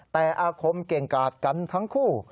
แต่อาคมเก่งกาดกันทั้งคู่